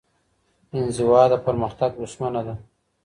انزوا د پرمختګ دښمنه ده.